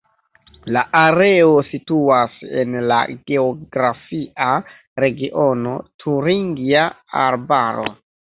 La areo situas en la geografia regiono Turingia Arbaro.